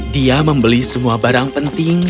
dia membeli semua barang penting dan percaya